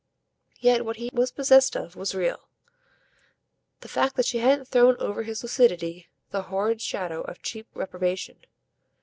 Yet what he was possessed of was real the fact that she hadn't thrown over his lucidity the horrid shadow of cheap reprobation.